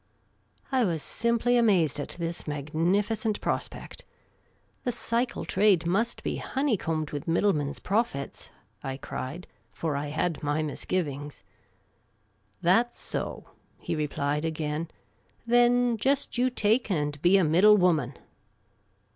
I was simply amazed at this magnificent prospect. " The cycle trade must be hone3'combed with middlemen's profits! " I cried ; for I had my misgivings. "That 's so," he replied again. "Then jest you take and be a middlewoman."